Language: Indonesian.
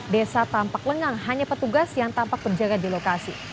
desa tampak lengang hanya petugas yang tampak berjaga di lokasi